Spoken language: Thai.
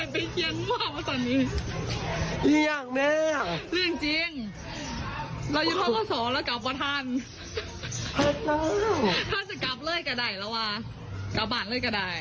พี่คือแม่เธอโทรมาขอให้เธอมาบานไปเคียงหัว